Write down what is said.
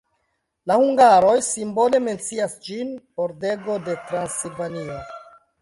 La hungaroj simbole mencias ĝin: "Pordego de Transilvanio".